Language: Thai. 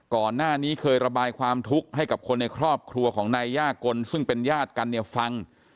ก่อนหน้านี้เคยระบายความทุกข์ให้กับคนในครอบครัวของนายย่ากลซึ่งเป็นญาติกันเนี่ยฟัง